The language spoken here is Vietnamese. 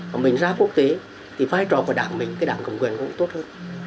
còn mình ra quốc tế thì vai trò của đảng mình cái đảng cầm quyền nó cũng tốt hơn